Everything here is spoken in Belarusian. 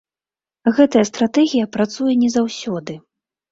Гэтая стратэгія працуе не заўсёды.